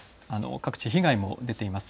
各地、被害も出ています。